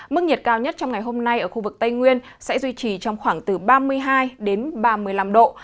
mức nhiệt cao nhất trong ngày hôm nay ở khu vực tây nguyên sẽ duy trì trong khoảng từ ba mươi hai ba mươi năm độ